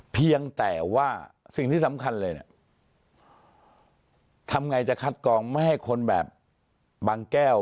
เพียงแต่ว่าสิ่งที่สำคัญเลยเนี่ยทำไงจะคัดกองไม่ให้คนแบบบางแก้ว